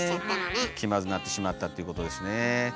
気まずなってしまったということですね。